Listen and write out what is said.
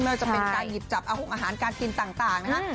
ใช่ไม่ว่าจะเป็นการหยิบจับอาหกอาหารการกินต่างต่างนะคะอืม